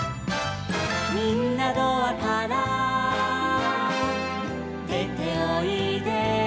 「みんなドアからでておいで」